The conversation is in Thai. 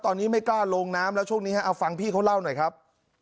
ตอนนี้ไม่กล้าลงน้ำแล้วช่วงนี้ฮะเอาฟังพี่เขาเล่าหน่อยครับ